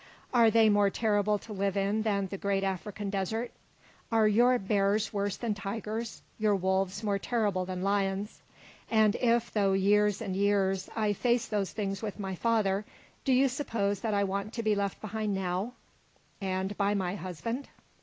Are they more terrible to live in than the Great African Desert? Are your bears worse than tigers, your wolves more terrible than lions? And if, through years and years, I faced those things with my father, do you suppose that I want to be left behind now, and by my husband?"